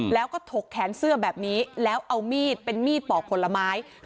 แล้วก็ถกแขนเสื้อแบบนี้แล้วเอามีดเป็นมีดปอกผลไม้